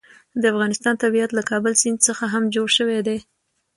د افغانستان طبیعت له کابل سیند څخه هم جوړ شوی دی.